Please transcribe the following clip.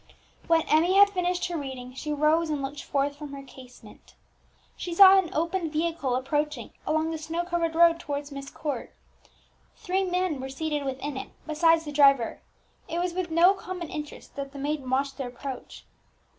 When Emmie had finished her reading, she rose and looked forth from her casement. She saw an open vehicle approaching along the snow covered road towards Myst Court. Three men were seated within it, besides the driver. It was with no common interest that the maiden watched their approach.